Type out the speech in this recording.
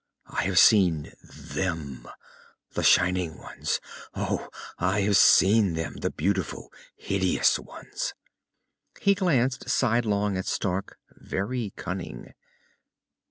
I have seen Them, the shining ones. Oh, I have seen them, the beautiful, hideous ones!" He glanced sidelong at Stark, very cunning.